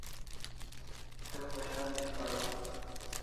Te khoshan thi paron